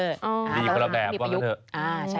ดีคนละแบบว่างั้นเถอะ